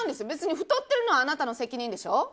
太っているのはあなたの責任でしょ。